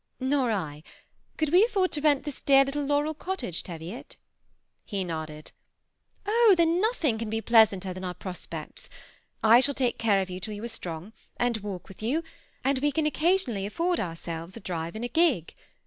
"Nor I. Could we afford to rent this dear little Laurel Cottage, Teviot?" He nodded. "Oh! then nothing can he pleasanter than our prospects. I shall take care of you till you are strong, and walk with you, and we can occasionally afford ourselves a drive in a gig.